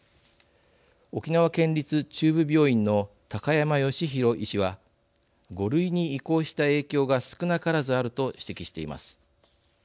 沖縄県立中部病院の山義浩医師は５類に移行した影響が少なからずあると指摘しています。